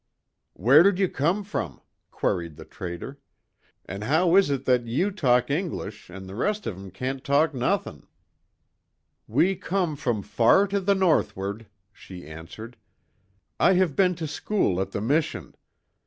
"Where did you come from?" queried the trader. "An' how is it that you talk English an' the rest of 'em can't talk nothin'?" "We come from far to the northward," she answered. "I have been to school at the mission.